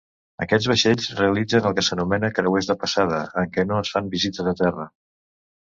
Aquests vaixells realitzen el que s'anomena "creuers de passada", en què no es fan visites a terra.